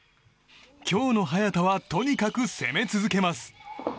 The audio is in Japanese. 今日の早田はとにかく攻め続けます。